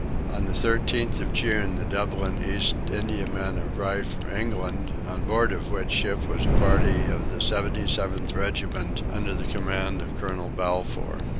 On the 13th of June the Dublin East Indiaman arrived from England, on board of which ship was a party of the 77th regiment under the command of colonel Balfour.